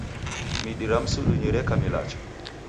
Midi ra msidunyi reka milacha